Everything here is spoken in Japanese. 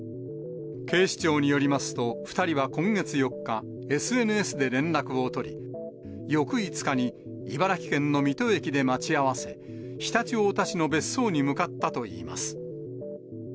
警視庁によりますと、２人は今月４日、ＳＮＳで連絡を取り、翌５日に、茨城県の水戸駅で待ち合わせ、常陸太田市の別荘に向かったといいます。